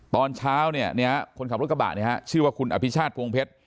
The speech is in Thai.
ตอนเช้าเนี่ยคนขับรถกระบะเนี่ยฮะชื่อว่าคุณอภิชาติพวงเพชร